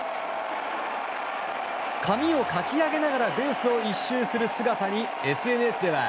髪をかき上げながらベースを１周する姿にＳＮＳでは。